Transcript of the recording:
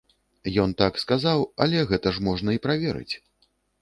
Ён так сказаў, але гэта ж можна і праверыць!